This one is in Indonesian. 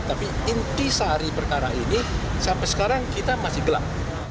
tapi inti sari perkara ini sampai sekarang kita masih gelap